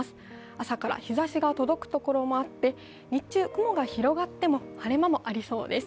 朝から日ざしが届くところもあって、日中、雲が広がっても晴れ間もありそうです。